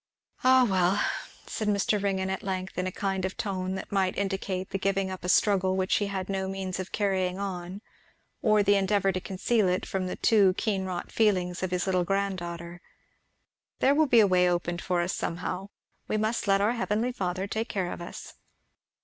"Ah well," said Mr Ringgan at length, in a kind of tone that might indicate the giving up a struggle which he had no means of carrying on, or the endeavour to conceal it from the too keen wrought feelings of his little granddaughter, "there will be a way opened for us somehow. We must let our Heavenly Father take care of us."